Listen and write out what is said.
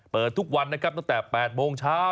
เปิดทุกวันนะครับตั้งแต่๘โมงเช้า